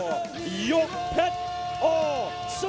มีความรู้สึกว่า